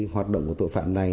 hoạt động của tội phạm này